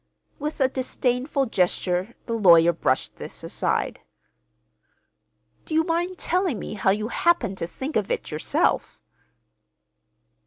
With a disdainful gesture the lawyer brushed this aside. "Do you mind telling me how you happened to think of it, yourself?"